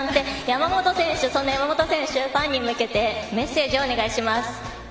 山本選手、ファンに向けてメッセージをお願いします。